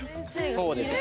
そうです。